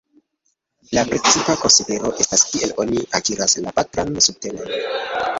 La precipa konsidero estas kiel oni akiras la patran subtenon.